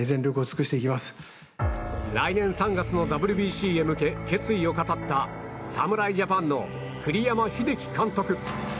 来年３月のＷＢＣへ向け決意を語った侍ジャパンの栗山英樹監督。